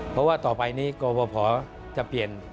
เพราะว่าต่อไปนี้กรปภจะเปลี่ยน